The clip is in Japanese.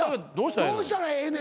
どうしたらええねん。